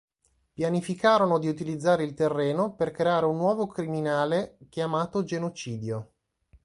Pianificarono di utilizzare il terreno per creare un nuovo criminale chiamato Genocidio.